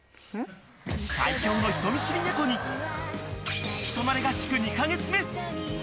最強の人見知り猫に人なれ合宿２か月目。